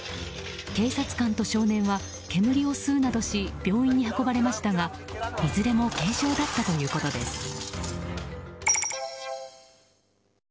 警察官と少年は煙を吸うなどし病院に運ばれましたがいずれも軽傷だったということです。